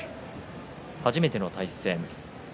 初めての対戦。